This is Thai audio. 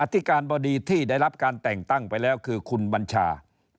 ธิการบดีที่ได้รับการแต่งตั้งไปแล้วคือคุณบัญชา